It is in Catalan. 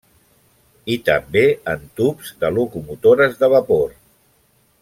I també en tubs de locomotores de vapor.